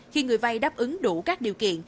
khi người vay đáp ứng đủ các điều kiện